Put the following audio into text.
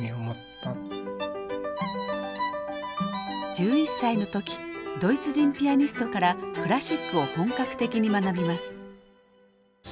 １１歳の時ドイツ人ピアニストからクラシックを本格的に学びます。